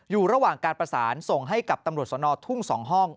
อยู่ระหว่างการประสานส่งให้กับตำรวจสนทุ่ง๒ห้อง